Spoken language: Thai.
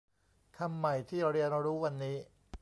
คำใหม่ที่เรียนรู้วันนี้